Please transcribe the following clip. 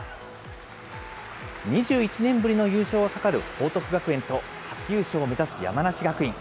２１年ぶりの優勝がかかる報徳学園と、初優勝を目指す山梨学院。